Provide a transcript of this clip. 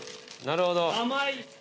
なるほど。